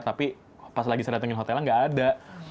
tapi pas lagi saya datangin hotelnya gak ada